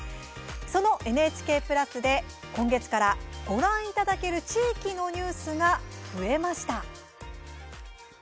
そのＮＨＫプラスで今月からご覧いただける地域のニュースが増えました。